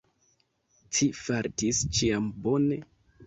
Ci fartis ĉiam bone?